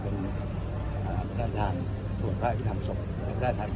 ส่วนให้คุณท่านสมผใจการทำป้องแก้แต่พูดบันติภาพ